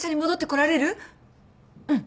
うん。